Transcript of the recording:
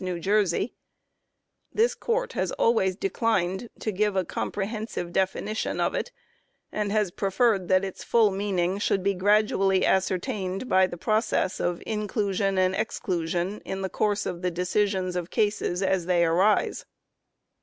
New Jersey:* "This Court has always declined to give a comprehensive definition of it, and has preferred that its full meaning should be gradually ascertained by the process of inclusion and exclusion in the course of the decisions of cases as they arise.